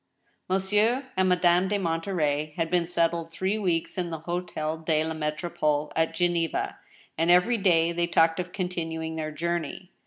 Monsieur and Madame de Monterey had been settled three weeks in the Hotel de la Metropole, at Geneva, and every day they talked of continuing their journey.